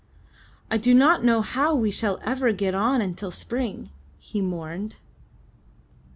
"I do not know how we shall ever get on until spring," he mourned.